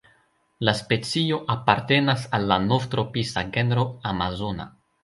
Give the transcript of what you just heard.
La specio apartenas al la Novtropisa genro "Amazona".